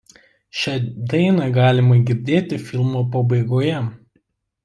Šią dainą galima girdėti filmo pabaigoje.